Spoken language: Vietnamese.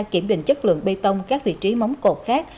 kiểm định chất lượng bê tông các vị trí móng cột khác